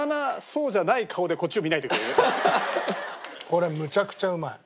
これめちゃくちゃうまい。